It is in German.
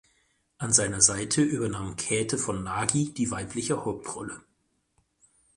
An seiner Seite übernahm Käthe von Nagy die weibliche Hauptrolle.